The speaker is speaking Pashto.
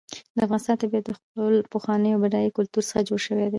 د افغانستان طبیعت له خپل پخواني او بډایه کلتور څخه جوړ شوی دی.